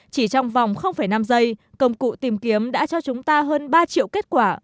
chỉ trong vòng năm giây công cụ tìm kiếm đã cho chúng ta hơn ba triệu kết quả